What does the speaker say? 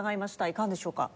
いかがでしょうか？